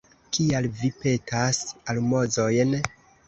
Kial vi petas almozojn?